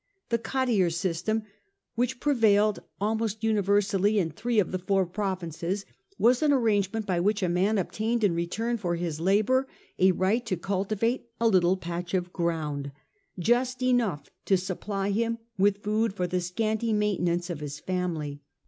The cottier system, which prevailed almost universally in three of the four provinces, was an arrangement by which a man obtained in return for his labour a right to cultivate a little patch of ground, just enough to supply bfm with food for the scanty maintenance of his family.